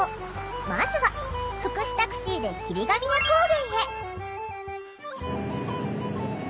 まずは福祉タクシーで霧ヶ峰高原へ。